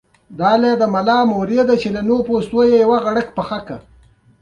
وروسته د شا محمود خان په زمانه کې کندهار ته راغله.